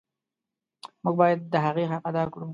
موږ باید د هغې حق ادا کړو.